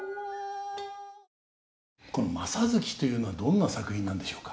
この「正月」というのはどんな作品なんでしょうか？